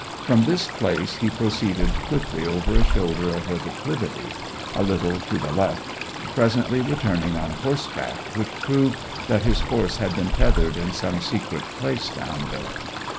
From this place he proceeded quickly over a shoulder of the declivity, a little to the left, presently returning on horseback, which proved that his horse had been tethered in some secret place down there.